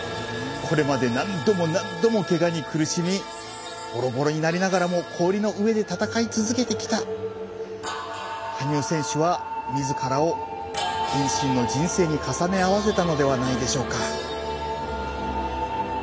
これまで、何度も何度もけがに苦しみボロボロになりながらも氷の上で戦い続けてきた羽生選手は、みずからを謙信の人生に重ね合わせたのではないでしょうか。